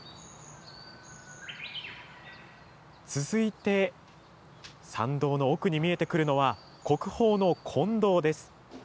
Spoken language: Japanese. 続いて、参道の奥に見えてくるのは、国宝の金堂です。